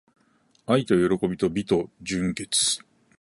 愛と喜びと美と純潔